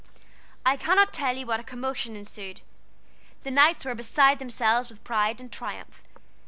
I cannot tell you what a commotion ensued. The Knights were beside themselves with pride and triumph.